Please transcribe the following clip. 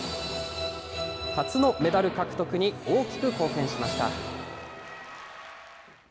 初のメダル獲得に大きく貢献しました。